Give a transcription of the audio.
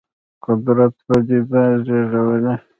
قدرت پدیده زېږولې.